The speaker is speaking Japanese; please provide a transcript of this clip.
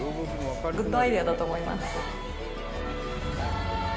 グッドアイデアだと思います。